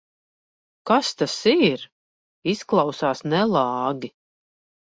Kas tas ir? Izklausās nelāgi.